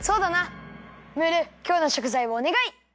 ムールきょうのしょくざいをおねがい！